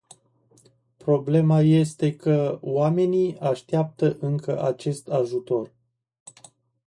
Problema este că oamenii așteaptă încă acest ajutor.